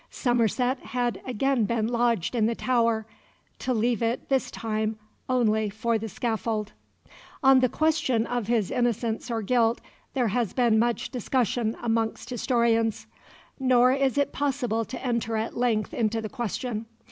Somerset had again been lodged in the Tower, to leave it, this time, only for the scaffold. On the question of his innocence or guilt there has been much discussion amongst historians, nor is it possible to enter at length into the question.